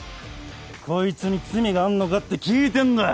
こいつに罪があんのかって聞いてんだよ！